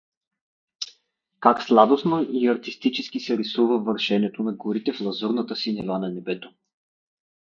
Как сладосно и артистически се рисуват вършето на горите в лазурната синева на небето!